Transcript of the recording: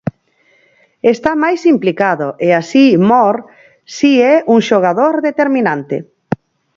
Está máis implicado e así Mor, si é un xogador determinante.